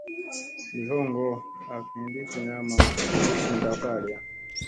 Li hoŋgo ak hin li tina maŋ suu li sunda faliya.